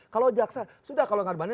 kalau jaksa sudah kalau enggak banding